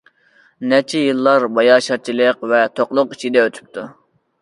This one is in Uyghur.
نەچچە يىللار باياشاتچىلىق ۋە توقلۇق ئىچىدە ئۆتۈپتۇ.